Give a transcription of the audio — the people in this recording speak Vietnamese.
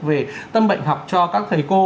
về tâm bệnh học cho các thầy cô